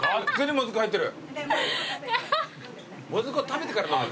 もずくを食べてから飲む？